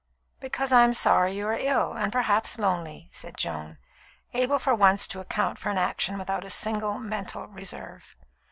"Because I'm sorry you are ill, and perhaps lonely," said Joan, able for once to account for an action without a single mental reserve.